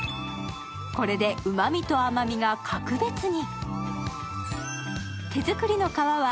これでうまみと甘みが格別に。